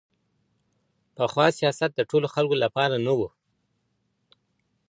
پخوا سياست د ټولو خلګو لپاره نه و.